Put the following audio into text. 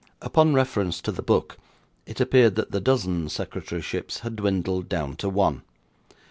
Upon reference to the book, it appeared that the dozen secretaryships had dwindled down to one.